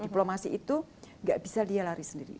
diplomasi itu gak bisa dia lari sendiri